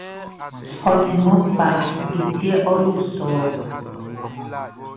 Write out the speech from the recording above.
Ɔ timan kpa ti yɛ ɔ yo sɔ ɔ.